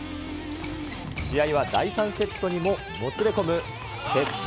試合は第３セットにももつれ込む接戦。